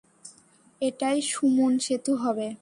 এটাই সুমুন সেতু হবে।